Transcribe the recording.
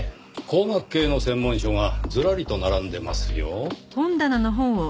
工学系の専門書がずらりと並んでますよ。